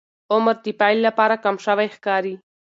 عمر د پیل لپاره کم شوی ښکاري.